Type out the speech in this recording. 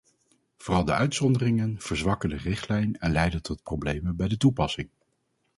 Vooral de uitzonderingen verzwakken de richtlijn en leiden tot problemen bij de toepassing.